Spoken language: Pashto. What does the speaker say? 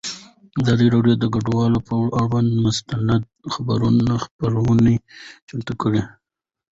ازادي راډیو د کډوال پر اړه مستند خپرونه چمتو کړې.